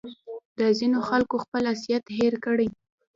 دا ځینو خلکو خپل اصلیت هېر کړی